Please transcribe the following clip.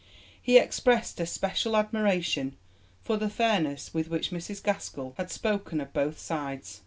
He expressed especial admiration for the fairness with which Mrs Gaskell had spoken of both sides.